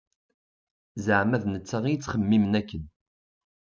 Zeɛma d netta i yettxemmimen akken.